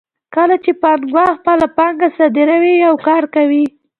کله چې پانګوال خپله پانګه صادروي یو کار کوي